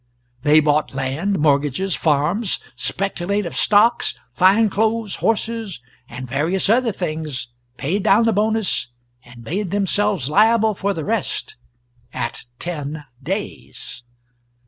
They bought land, mortgages, farms, speculative stocks, fine clothes, horses, and various other things, paid down the bonus, and made themselves liable for the rest at ten days.